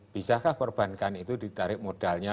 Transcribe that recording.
bisakah perbankan itu ditarik modalnya